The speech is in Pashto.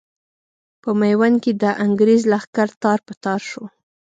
په ميوند کې د انګرېز لښکر تار په تار شو.